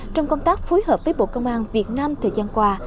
trong công tác phối hợp với bộ công an việt nam thời gian qua